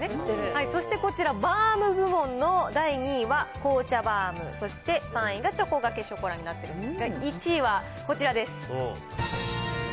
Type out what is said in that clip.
そしてこちらバウム部門の第２位は紅茶バウム、そして、３位がチョコがけショコラになってるんですが、１位はこちらです。